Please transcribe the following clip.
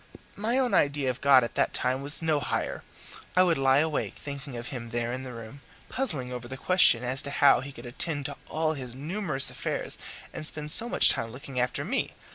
My own idea of God at that time was no higher. I would lie awake thinking of him there in the room, puzzling over the question as to how he could attend to all his numerous affairs and spend so much time looking after me.